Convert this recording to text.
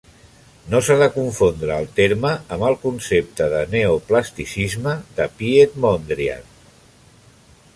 No s'ha de confondre el terme amb el concepte de "Neoplasticisme" de Piet Mondrian.